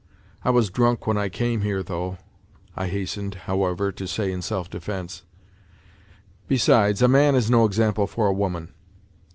I was drunk when I came here, though," I hastened, however, to say in self defence. " Besides, a man is no example for a woman.